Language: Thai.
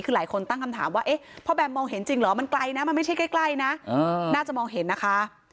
คือหลายคนตั้งคำถามว่าเอ๊ะพ่อแบมมองเห็นจริงเหรอมันไกลนะมันไม่ใช่ใกล้นะน่าจะมองเห็นนะคะ